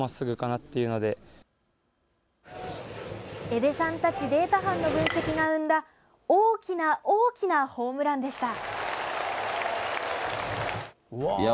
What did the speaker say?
江部さんたちデータ班の分析が生んだ大きな大きなホームランでした。